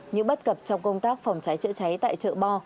những bất cập trong công tác phòng cháy chữa cháy tại chợ bo